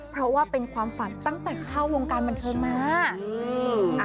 เพราะว่าเป็นความฝันตั้งแต่เข้าวงการบันเทิงมา